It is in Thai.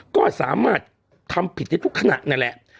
ก็สามารถทำผิดได้ทุกขณะนั่นแหละ